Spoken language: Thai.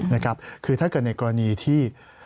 ถ้าเกิดในกรณีที่